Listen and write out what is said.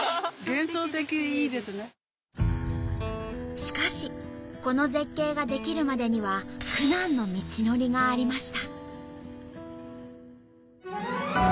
しかしこの絶景が出来るまでには苦難の道のりがありました。